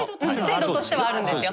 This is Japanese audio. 制度としてはあるんですよ。